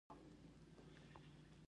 د بنسټي بدلون په لور حرکت یې کولای شو